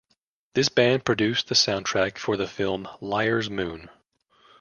This band produced the soundtrack for the film "Liar's Moon".